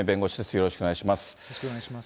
よろしくお願いします。